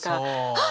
「あっ！」